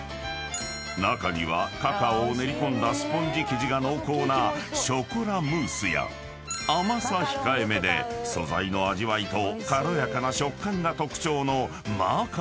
［中にはカカオを練り込んだスポンジ生地が濃厚なショコラムースや甘さ控えめで素材の味わいと軽やかな食感が特徴の］